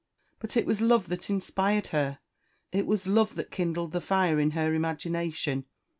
"But it was Love that inspired her it was Love that kindled the fire in her imagination.